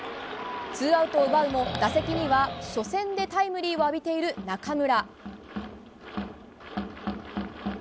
ツーアウトを奪うも打席には初戦でタイムリーを浴びている中村。